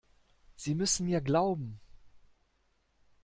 Sie müssen mir glauben!